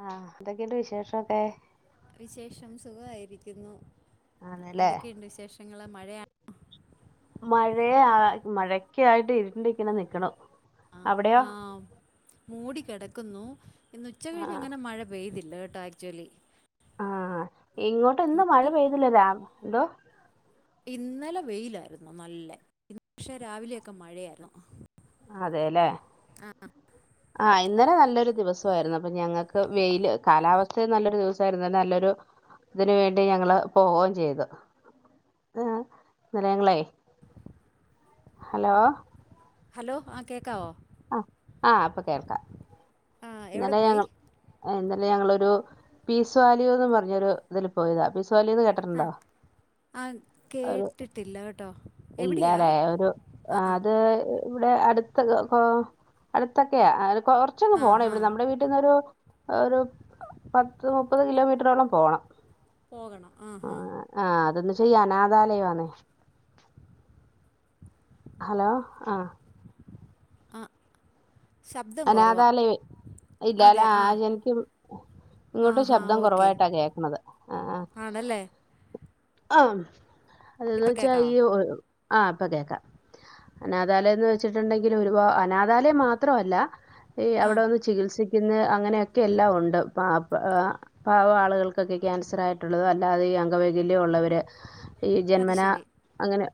ആഹ് എന്തൊക്കെണ്ട് വിശേഷൊക്കെ? വിശേഷം സുഖായിരിക്കുന്നു. ആണല്ലേ എന്തൊക്കെയുണ്ട് വിശേഷങ്ങള്? മഴയാ മഴയാ മഴക്ക് ആയിട്ട് ഇരുണ്ട്ങ്ങനെ നിക്ക്ണു. ആ അവടെയോ? ആ മൂടി കെടക്കുന്നു ഇന്ന് ഉച്ച കഴിഞ്ഞ് ആഹ് അങ്ങനെ മഴ പെയ്തില്ല കേട്ടോ ആക്ച്വലി. ഇങ്ങോട്ടന്നും മഴ ഇന്നലെ പെയ്തില്ല രാ എന്തോ? ഇന്നലെ വെയിലായിരുന്നു നല്ലെ ഇ പക്ഷേ രാവിലെയക്കെ മഴയായിര്ന്നു. അതേലെ? ആഹ് ഇന്നലെ നല്ലൊരു ദിവസായിരുന്നു അപ്പൊ ഞങ്ങൾക്ക് വെയില് കാലാവസ്ഥ നല്ലൊരു ദിവസായിരുന്നു നല്ലൊരു ഇതിന് വേണ്ടി ഞങ്ങള് പോവും ചെയ്ത് ഏഹ് ഇന്നലെ ഞങ്ങളേ ഹലോ? ഹലോ ആഹ് കേക്കാവോ? അഹ് ആഹ് ഇപ്പൊ കേൾക്കാം ആ എവിടെ ഇന്നലെ പോയി ഞങ്ങൾ ഇന്നലെ ഞങ്ങളൊരു പീസ് വാലയൂ എന്ന് പർഞ്ഞൊരു ഇതില് പോയതാ പീസ് വാലയൂന്ന് കേട്ട ആ ട്ടുണ്ടോ? ആ ഒരു കേട്ടിട്ടില്ല കേട്ടോ എവിടെയാ ഇല്ലാലേ ഒരു അത് ഇവിടെ അടുത്ത് കോ അടുത്തൊക്കെയാ ആഹ് കൊർ ച്ചൊന്നു ആ പോണം ഹാ ഇവിടെ നമ്മുടെ വീട്ടിൽന്നൊരു ഒരു പത്ത് മുപ്പത് കിലോമീറ്ററോളം പോണം പോകണം ആഹ് ആഹ് ആഹ് [unintelligible] അനാഥാലയം ആണ്. ഹലോ ആഹ് അഹ് ശബ്ദം കൊറവാ. അനാഥാലയമേ ഇല്ലാല ആഹ് എനിക്കും ആ ഇങ്ങോട്ട് ഹാ ശബ്ദം ഓക്കെ കൊറവായിട്ടാ കേക്കുന്നത്. ആണല്ലേ? ആം അതന്ന് ഇപ്പം വെച്ചാ കേൾക്കാവോ ഈ ഒരു ആഹ് ഇപ്പൊ കേക്കാം. അനാഥാലയന്ന് വെച്ചിട്ടുണ്ടെങ്കിൽ ഒരുപാ അനാ ഥാലയം മാത്രവല്ല ഈ ആ അവിടെവന്ന് ചികിത്സ- ക്കുന്ന് അങ്ങനെയൊക്കെ എല്ലാം ഉണ്ട് പ- പാവം ആളുകൾക്കൊക്കെ ക്യാൻസർ ആയിട്ടുള്ളതും അല്ലാതെ ഈ അംഗവൈകല്യം ഉള്ളവര് ഈ അത് ജന്മന ശരി അങ്ങനെ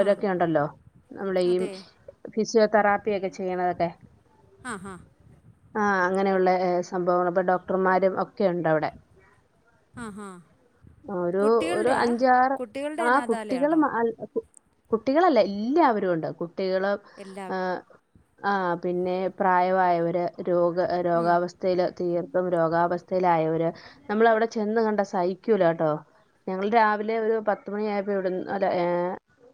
ആ ഉണ്ടല്ലോ നമ്മള ഈ അതെ ഫിസിയോതെറാപ്പിയൊക്കെ ചെയ്യണതൊക്കെ ആഹ് ഹാ ആഹ് അങ്ങനെയുള്ള സംഭവങ്ങൾ ഇപ്പൊ ഡോക്ടർമാരും ഒക്കെ ഉണ്ട് അവിടെ ആഹ് ഹ ഒരു ഒരു അഞ്ചാറ് കുട്ടികളുടെ ആഹ് കുട്ടികൾ അനാഥാലയമാണോ കുട്ടികളല്ല എല്ലാവരും ഉണ്ട് കുട്ടികള് എല്ലാം ഏഹ് ആഹ് പിന്നെ പ്രായമായവര് രോഗ ഉം. രോഗാവസ്ഥ ൽ തീർത്തും രോഗാവസ്ഥയിലായവര് നമ്മൾ അവിടെ ചെന്ന് കണ്ട സഹിക്കൂല കേട്ടോ ഞങ്ങൾ രാവിലെ ഒരു പത്ത് മണിയായപ്പോ ഇവിടുന്നു അല്ലെ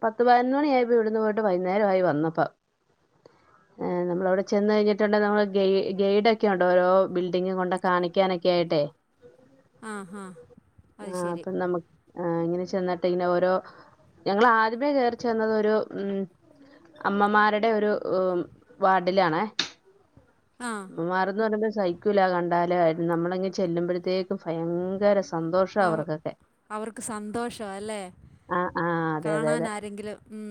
പത്ത് പതിനൊന്ന് മണി ആയപ്പോയി ഇവിടുന്ന് പോയിട്ട് വൈകുന്നേരം ആയി വന്നപ്പ നമ്മളവിടെ ചെന്ന് കഴിഞ്ഞിട്ടുണ്ടെ നമ്മള് ഗൈ ഗൈഡ് ഒക്കെ ഉണ്ട് ഓരോ ബിൽഡിംഗ് കൊണ്ട കാണിക്കാനൊക്കെ ആയിട്ടെ ആഹ് ഹാ അത് ശരി അപ്പൊ നമക്ക് ആഹ് ഇങ്ങനെ ചെന്നിട്ട് ഇങ്ങനെ ഓരോ ഞങ്ങൾ ആദ്യമേ കേറിച്ചെന്നത് ഒരു ഉം അമ്മമാരുടെ ഒരു വാർഡിലാണേ ആ അമ്മമാർന്ന് പറയുമ്പോൾ സഹി - ക്കൂല കണ്ടാല് നമ്മളങ്ങെ ചെല്ലുമ്പോഴത്തേക്കും ഭയങ്കര സന്തോഷ അവ- അവർക്കൊക്കെ അവർക്ക് സന്തോഷ അല്ലേ ആഹ് ആഹ് അതെ അതെ കാണാൻ അതെ ആരെങ്കിലും ഉം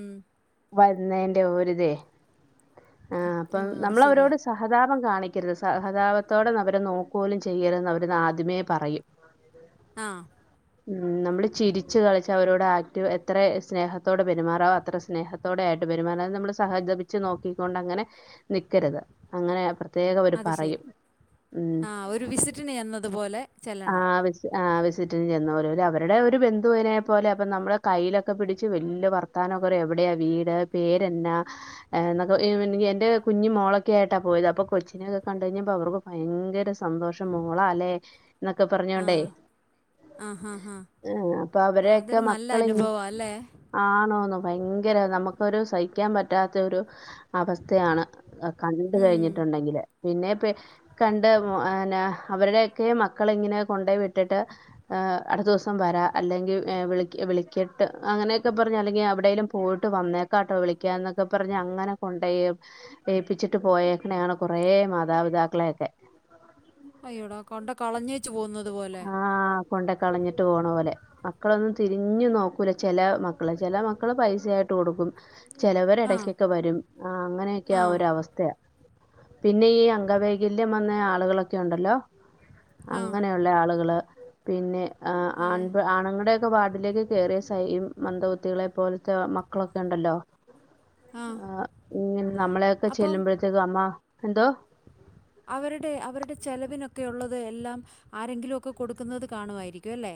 വരുന്നതിന്റെ ഒരിതേ ആഹ് ആ അപ്പം അത് ശരിയാ നമ്മളവരോട് സ- ഹതാപം കാണിക്കരുത് സഹതാപത്തോടെ അവരെ നോക്ക്‌ക പോലും ചെയ്യരുതെന്ന് അവര് ആദ്യമേ പറയും ആഹ് ഉം നമ്മള് ചിരിച്ച് കളിച്ച് അവരോട് ആക്റ്റ് എത്ര സ്നേഹ- ത്തോടെ പെരുമാറാവൊ അത്ര സ്നേഹത്തോടെ ആയിട്ട് പെരുമാറാൻ നമ്മള് സഹതപിച്ച് നോക്കിക്കൊണ്ട് അങ്ങനെ നിക്കരുത് അങ്ങനെ പ്രത്യേകം അവര് അത് ശരി പറയും ഉം ആ ഒരു വിസിറ്റിന് എന്നതുപോലെ ചെല്ലണം ആഹ് ആഹ് വിസിറ്റിന് ചെന്ന പോലെ അവരുടെ ഒരു ബന്ധുവിനെ പോലെ അപ്പ നമ്മുടെ കയ്യിലൊക്കെ പിടിച്ച് വല്ല്യ വർത്താനമൊക്കെ പറയു എവിടെയ വീട് പേരെന്ന എന്നൊക്ക എന്റെ കുഞ്ഞു മോളൊക്കെ ആയിട്ടാ പോയത് അപ്പൊ കൊച്ചിനെ കണ്ണ്ട് കഴിഞ്ഞപ്പോ അവർക്കൊ ഭയങ്കര സന്തോഷം മോളാ ല്ലെ എന്നൊക്കെ പറഞ്ഞോണ്ടേ ആഹ് ഹാ ഹാ ഏഹ് അപ്പൊ അതൊരു നല്ല അനുഭവ അല്ലേ ആണോന്നൊ ഭയങ്കര നമുക്കൊരു സഹിക്കാൻ പറ്റാത്ത ഒരു അവസ്ഥയാണ് കണ്ട് ഉം. കഴിഞ്ഞിട്ടുണ്ടെങ്കില് പിന്നെ കണ്ട് ഇഹ് അവരുടെയൊക്കെ മക്കള ഇങ്ങനെ കൊണ്ടോ വിട്ടിട്ട് അടുത്ത ദിവസം വരാ അല്ലെങ്കിൽ വിളി വിളിക്ട്ട് അങ്ങനെയൊക്കെ പറഞ് അല്ലെങ്കി എവിടെേലും പോയിട്ട് വന്നേക്കാ ട്ടോ വിളിക്കാന്നൊക്കെ പറഞ്ഞഞ് അങ്ങനെ കൊണ്ടോയ് ഏയിപ്പിച്ചിട്ട് പോയേക്കണെയാണ് കുറേ മാതാപിതാക്കളെയൊക്കെ അയ്യോടാ കൊണ്ടോയ് കളഞ്ഞേച് പോകുന്നത് പോലെ കൊണ്ണ്ടേ കളഞ്ഞിട്ട് പോകണ പോലെ മക്കളൊന്നും തിരിഞ്ഞു നോക്കൂല ചെല മക്കള് ചെല മക്കള് പൈസ ആായിട്ട് ട്ട് കൊടുക്കും ചെലവർ ആ എടക്കൊക്കെ വരും ആഹ് അങ്ങനെയൊക്കെ ആ ഒര അവസ്ഥയ പിന്നെ ഈ അംഗവൈകല്യം വന്ന ആളുകളൊക്കെ ഉണ്ടല്ലോ ആ അങ്ങനെയുള്ള ആളുകള് പിന്നെ ആൺ അയ്- ആണുങ്ങളടെ വാർഡിലേക്ക് കേറിയെം [unintelligible] മന്ദബുദ്ധികളെ പോലത്തെ മക്കളൊക്കെ ഉണ്ടല്ലോ ആ ആഹ് ഇങ്ങ നമ്മളെക്കെ അപ്പം ചെല്ലുമ്പോഴത്തേക്കും അമ്മ എന്തോ അവരുടെ അവരുടെ ചെലവിനൊക്കെയുള്ളത് എല്ലാം ആരെങ്കിലൊക്കെ കൊടുക്കുന്നത് കാണുവായിരിക്കും അല്ലേ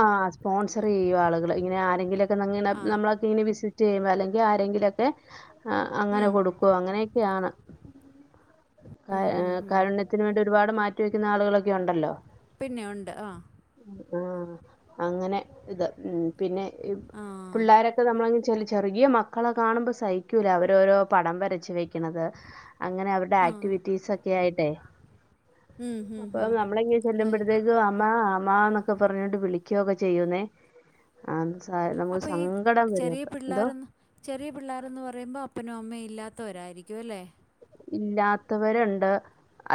ആഹ് സ്പോൺസറെയ്യും ആളുകള് ഇങ്ങനെ ആരെങ്കിലൊക്കെങ്ങനെ ആ നമ്മള ങ്ങനെ വിസിറ്റെയ്യുമ്പോ അല്ലെങ്കി ആരെങ്കിലൊക്കെ അങ്ങനെ ഉം. കൊടുക്കും അങ്ങനെയൊക്കെയാണ് ഉം, ഉം, അഹ് ഉം. കാരുണ്യത്തിന് വേണ്ടി ഒരുപാട് മാറ്റി വെക്കുന്ന ആളുകളൊക്കെ ഉണ്ടല്ലോ പിന്നെ ഉണ്ട് ആഹ് ആഹ് അങ്ങനെ ഇത് ഉം പിന്നെ ആ പിള്ളാരൊക്കെ നമ്മളങ്ങെനെ ചെല ചെറിയ മക്കളെ കാണുമ്പോ സഹിക്കൂല അവരോഓരോ പടം വരച്ച വെക്ക്‌ണത് അങ്ങനെ അവരുടെ ആ ആക്റ്റ് ക്ടിവിറ്റീസൊക്കെ ആയിട്ടേ ഉം, ഉം, അപ്പൊ ഉം. നമ്മള്ങ്ങനെ ആയി. ചെല്ലുമ്പഴത്തേക് അമ്മ അമ്മാന്ന് ഒക്കെ പറഞ്ഞോണ്ട് വിളിക്കൊക്കെ ചെയ്യുന്നേ നമുക്ക് അപ്പോൾ ഈ സങ്കടം വരും ചെറിയ എന്തോ പിള്ളേരെന്ന് ചെറിയ പിള്ളേരെന്ന് പറയുമ്പോ അപ്പനും അമ്മയും ഇല്ലാത്തവരായിരിക്കും അല്ലേ ഇല്ലാത്തവരുണ്ട്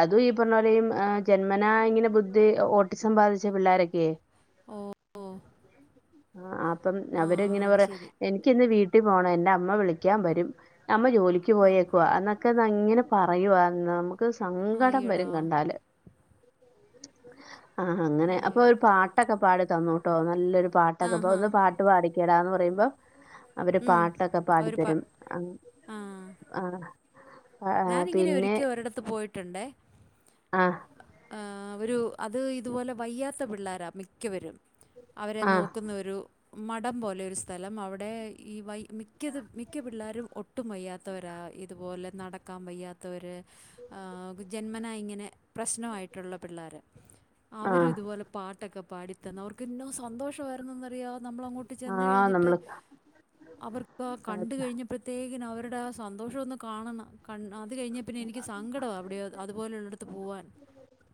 അതും ഈ പറഞ്ഞ പോലെയും ജന്മനാ ഇങ്ങനെ ബുദ്ധി ഓട്ടിസം ബാധിച്ച പിള്ളോരൊക്കെയെ ഓഹ് ഓഹ് ആഹ് അപ്പം അവരിങ്ങനെ അത് പറ ശരി എനിക്കിന്ന് വീട്ടിൽ പോണം എന്റെ അമ്മ വിളിക്കാൻ വരും അമ്മ ജോലിക്ക് പോയേക്വാ എന്നൊക്കെ അ ഇങ്ങനെ പറയുവാന്ന് മ്മുക്ക് ക്ക് സങ്കടം അയ്യടാ വരും കണ്ടാല് ആഹ് അങ്ങനെ അപ്പൊ അയ്യടാ ഒരു പാട്ടൊക്കെ പാടി തന്നുട്ടോ നല്ലൊരു ആ പാട്ടൊക്കെ ഹാ അപ്പൊന്ന് പാട്ട് പാടിക്കേടാന്ന് പറയുമ്പോ അവര് ഉം പാട്ടൊക്കെ അവർ പ പാടിത്തരും അ ആ ആഹ് ആഹ് ഞാനിങ്ങനെ പിന്നെ ഒരിക്കൽ ഒരിടത്ത് പോയിട്ടുണ്ടേ ആഹ് ആഹ് ഒരു അത് ഇതുപോലെ വയ്യാത്ത പിള്ളേരാ മിക്കവരും അവരെ ആഹ് നോക്കുന്നൊരു മഠം പോലെ ഒരു സ്ഥലം അവിടെ ഈ വൈ മിക്കതും മിക്ക പിള്ളേരും ഒ ട്ടും വയ്യാത്തവരാ ഇതുപോലെ നടക്കാൻ വയ്യാത്തവര് ആഹ് ജന്മനായിങ്ങനെ പ്രശ്നമായിട്ടുള്ള പിള്ളേര് അവരും ആഹ് ഇതുപോലെ പാട്ടൊക്കെ പാടിത്ത തന്ന് അവർക്ക് ഇന്നോ സന്തോഷമായിരുന്നുന്നറിയോ നമ്മളങ്ങോട്ട് ട്ട് ചെന്ന് ആഹ് കഴിഞ്ഞിട്ട് നമ്മള് അവർ കണ്ട് അതൊക്കെ കഴി ഞ്ഞപ്പഴത്തേകിനും അവരുടെ ആ സന്തോഷം ഒന്ന് കാണണം ക അത് കഴിഞ് പിന്നെ എനിക്ക് സങ്കടമാ അവിടെയോ അതുപോലെുള്ളട്ത്ത് പോവാൻ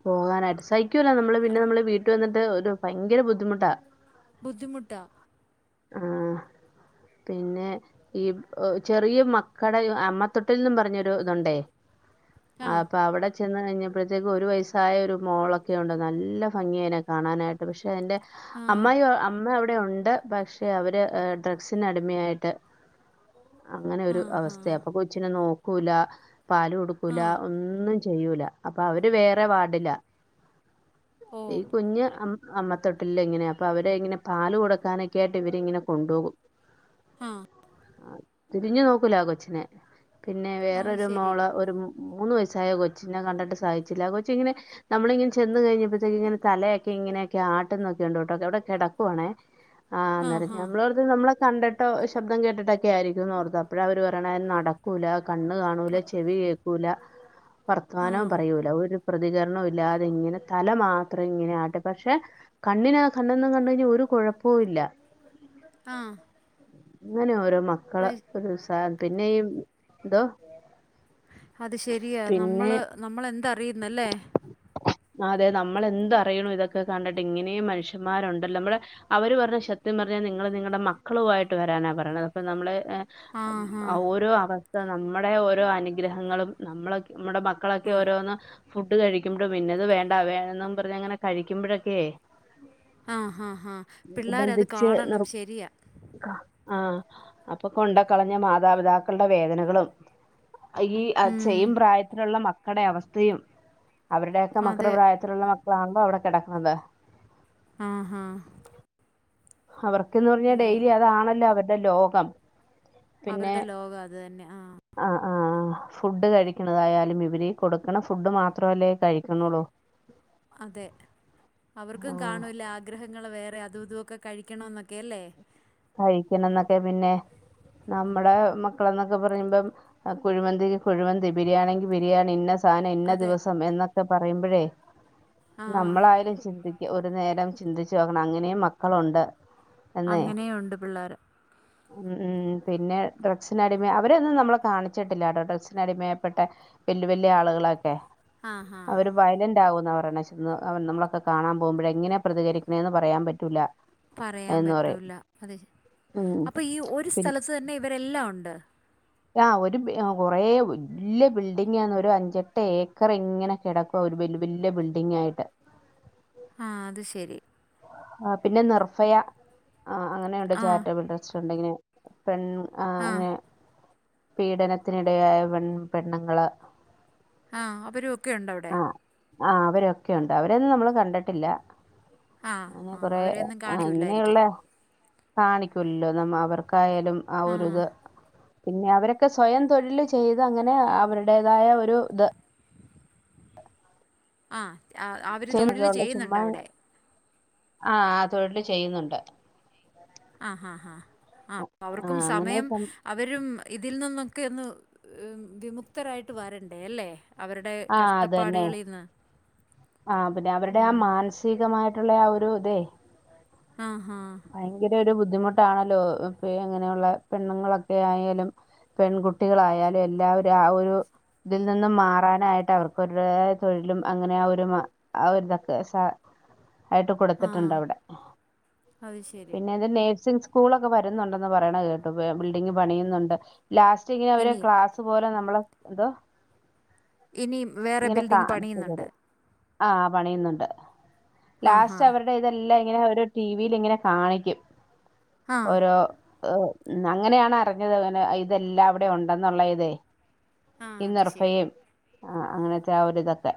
പോകാനായിട്ട് സഹിക്കുല്ല നമ്മള് പിന്നെ വീട്ടു വന്നിട്ട് ഒരു ഭയങ്കര ബുദ്ധിമുട്ടാ ബുദ്ധിമുട്ടാ ആഹ് പിന്നെ ഈ ചെറിയ മക്കട അമ്മത്തൊട്ടിൽ നിന്നും പറഞ്ഞൊരു ഇതുണ്ടേ ആ അപ്പ അവിടെ ചെന്ന കഴിഞ്ഞപ്പോഴത്തേക്കും ഒരു വയസ്സായ ഒരു മോളൊക്കെ ഉണ്ട് നല്ല ഭംഗിയേനൊക്കെ കാണാനായിട്ട് പക്ഷെ അന്റെ ആ അമ് അമ്മ അവിടെ ഉണ്ട് പക്ഷെ അവര് ഡ്രഗ്സ് കൊച്ചടിമയായിട്ട് അങ്ങനെ ആ ഒരു ആ അവസ്ഥയ അപ്പൊ കൊ അനെ നോക്കൂല പാല് ആ കൊടുക്കൂല ഒന്നും ചെയൂല അപ്പൊ അവര് വേറെ വാടില ഓ ഈ കുഞ്ഞ് അമ്മത്തൊട്ടില്ല ഇങ്ങനെ അപ്പൊ അവരെ ഇങ്ങനൊ പാല് കൊടുക്കാനൊക്കെ ആയിട്ട് ഇവരിങ്ങനെ കൊണ്ടൊവും ആ ആ തിരിഞ്ഞു നോക്കൂലാ കൊച്ചിനെ പിന്നെ അത് വേറൊരു ശരി മോള ഒരു മൂന്ന് വയസ്സായ കൊച്ചിനിനെ കണ്ടിട്ട് സഹിച്ചില്ല കൊച്ച് ഇങ്ങനെ നമ്മളിങ്ങനെ ചെന്ന് കഴിഞ്ഞപ്പത്തേക്ക് ഇങ്ങന തലയൊക്കെ ഇങ്ങനെയക്കെ ആട്ടുന്നൊക്കെ ഉണ്ട് ട്ടോ അവിടെ കിടക്കുവാണേ ആ ആഹ് അന്നേരം ആ നമ്മളോർത്ത് നമ്മള കണ്ടിട്ട ശബ്ദം കേട്ടിട്ടൊക്കെ ആയിരിക്കും ന്ന് ഓർത്ത അപ്പഴ അവര് പറയ്ണ നട ക്കൂല കണ്ണ് കാണൂല ക- ചെവി കേക്കൂല ആ വർത്തമാനം പറയൂല ഒരു പ്രതികരണം ഇല്ലാതെ ഇങ്ങനെ തല മാത്രം ഇങ്ങനെയ ആട്ട പക്ഷെ കണ്ണിനന് കണ്ണൊന്നും കണ്ട കഴിഞ്ഞാ ഒരു കുഴപ്പവും ഇല്ല ആഹ് ഇങ്ങനെ ഓരോ മക്കള് ഒരു [unintelligible] പിന്നെ ഈ എന്തോ അത് ശരിയാ പിന്നെ നമ്മള് നമ്മൾ എന്താ അറിയുന്നല്ലേ ആ അതെ നമ്മളെന്ത് അറിയുണു ഇതൊക്കെ കണ്ടിട്ട് ഇങ്ങനെയും മനുഷ്യന്മാരുണ്ടല്ലോ നമ്മള് അവര് പറഞ്ഞ ശത്യം പറഞ്ഞാൽ നിങ്ങള് നിങ്ങളുടെ മക്കളു ആയിട്ട് വരാനാ പറയുന്നത് അപ്പൊ നമ്മള് ആ ഹാ ഓരോ അവസ്ഥ നമ്മുടെ ഓരോ അനുഗ്രഹങ്ങളും നമ്മള നമ്മുടെ മ ക്കളൊക്കെ ആ ഓരോന്ന് ഫുഡ് കഴിക്കുമ്പളും പിന്നത് വേണ്ട വേണംന്ന് പർഞ് അങ്ങനെ കഴിക്കുമ്പഴൊക്കേ ആഹ് ഹാ ഹാ പിള്ളാര് അത് നിർ കാണണം ശരിയാ ആഹ് അപ്പൊ കൊണ്ട കളഞ്ഞ മാതാപിതാക്കളുടെ വേദനകളും ഈ ഉം, ചെയ്യും പ്രായത്തിലുള്ള മക്കൾടെ അവസ്ഥയും അവരുടെയൊക്കെ മക്കള അതെ പ്രായത്തിലുള്ള മക്കളാണല്ലോ അവിടെ കെടക്ക്ണത് ആഹ് ഹാ അവർക്ക്ന്ന് പർഞ്ഞാ അയ്യോ ഡെയിലി അതാണല്ലോ അവരുടെ ലോകം അവരുടെ ലോകം അത് തന്നെ ആ അഹ് ആഹ് ഫുഡ് കഴിക്ക്ണതായാലും ഇവര് ഈ കൊടുക്കണ ഫുഡ് മാത്രമല്ലേ കഴിക്ക്ണൊള്ളൂ അതെ അവർക്കും ആഹ് കാണുല്ലാ ആഗ്രഹങ്ങൾ വേറെ അതും ഇതു ഒക്കെ കഴിക്കണെന്നൊക്കെ അല്ലേ കഴിക്കണം ന്നൊക്കെ പിന്നെ നമ്മടെ മക്കള എന്നൊക്കെ പറയുമ്പം അഹ് കുഴിമന്തിക്ക് കുഴിമന്തി ബിരിയാണിങ്കി ബിരിയാണി ഇന്ന സാന ഇന്ന അതെ ദിവസം എന്നൊക്കെ പറയുമ്പഴേ ആ നമ്മളായാലും ചിന്തിക്ക ഒരു നേരം ചിന്തിച്ചു നോക്കണം അങ്ങനെയും മക്കളുണ്ട് അങ്ങനെയുണ്ട് പിള്ളേർ ഉം ഉം പിന്നെ ഡ്രഗ്സിന അടിമ അവരൊന്നും നമ്മളെ കാണിച്ചിട്ടില്ല കേട്ടോ ഡ്രഗ്സിനടിമയൽപ്പെട്ട വല്ല്യ വല്ല്യ ആളുകളൊക്കെ ആഹ് ഹാ അവര് വയലന്റ് ആകുന്നവർണ നമ്മളൊക്കെ കാണാൻ പോകുമ്പഴേ എങ്ങനെ പ്രതികരിക്കണന്ന് പറയാൻ പറ്റൂല പറയാൻ എന്ന് പറയും പറ്റൂല അതെ ഉം അപ്പൊ ഈ ഒരു പിൻ സ്ഥലത്ത് തന്നെ ഇവരെല്ലാം ഉണ്ട് ആ ഒരു കൊറേ വല്ല്യ ബിൽഡിംഗ് ആണ് ഒരു അഞ്ചെട്ട് ഏക്കർ ഇങ്ങനെ കെടക്കും ഇപ്പൊ ഒരു വല് വല്ല്യ ബിൽഡിംഗ് ആയിട്ട് ആഹ് അത് ശരി ആ പിന്നെ നിർഫയ അങ്ങനെയുണ്ട് ആ ചാരിറ്റബിൾ ട്രസ്റ്റ് ഉണ്ടെങ്ങനെ പെൺ ആ ആഹ് അങ്ങനെ പീഡനത്തിനിടയായ പെൺ പെണ്ണ്ങ്ങള് ആഹ് അവരു ക്കെണ്ട് അവിടെ ആഹ് അവരൊക്കെ ഉണ്ട് അവരൊന്നും നമ്മൾ കണ്ടിട്ടില്ല. ആ അനെ ആ കൊറെ അവരെയൊന്നും ആഹ് അങ്ങനെയുള്ള കാണിക്കൂല്ലായിരിക്കും കാണിക്കൂലല്ലോ നമ്മ അവർക്കായാലും ആ ഒരുരിത് പിന്നെ അവരൊക്കെ സ്വയം തൊഴിൽ ചെയ്ത് അങ്ങനെ അവരുടേതായ ഒരു ഇത് ആഹ് അവര് തൊഴിൽ ചെയ്യുന്നുണ്ട് അവിടെ. ആഹ് തൊഴില് ചെയ്യുന്നുണ്ട്. ആഹ് ഹാ ഹാ ആ അവർക്കും അങ്ങനെ സമയം സം അവരും ഇതിൽ നിന്നൊക്കെ ഒന്ന് വിമുക്തരായിട്ട് വരണ്ടേ അല്ലേ? അവരുടെ ആ അതന്നെ കഷ്ടപ്പാടുകളിന്ന് മ് സീകമായിട്ടുള്ള ആ ഒരു ഇതേ ആഹ് ഹാ ഭയങ്കര ഒരു ബുദ്ധിമുട്ടാണല്ലോ പ്പയങ്ങനെയുള്ള പെണ്ണുങ്ങളൊക്കെ ആയാലും പെൺകുട്ടികളായാലും എല്ലാവരും ആ ഒരു ഇതിൽ നിന്ന് മാറാനായിട്ട് അവർക്കരുതായ തൊഴിലും അങ്ങനെ ആ ഒരു മ ആ ഒരിതൊക്കെ സ ആയിട്ട് ആ കൊടുത്തിട്ടുണ്ട് അവിടെ അത് ശ പിന്നെ എത് നഴ്സിങ് സ്കൂളൊക്കെ വരുന്നുണ്ടന്ന് പറയണ കേട്ടു ബിൽഡിംഗ് പണിയുന്നുണ്ട്. ലാസ്റ്റ് ഇങ്ങനെ അവര് ഇനിയും ക്ലാസ് പോലെ നമ്മള എന്തോ? ഇനിം വേറെ ബിൽഡിംഗ് പണിയുന്നുണ്ട്. ആഹ് പണിയുന്നുണ്ട് ആഹാ. ലാസ്റ്റ് അവരുടെ ഇതെല്ലാം ഇങ്ങനെ ഒരു ടി ലിങ്ങനെ കാണിക്കും ആ. ഓരോ അങ്ങനെയാണ് അറിഞ്ഞത് അങ്ങനെ ഇതെല്ലാം അവിടെ ഉണ്ടെന്നുള്ള ഇതേ. ആ ഈ അത് ശരി. നിർഫയും അങ്ങനത്തെ ആ ഒരിതൊക്കെ